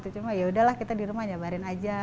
cuma yaudahlah kita di rumah jabarin aja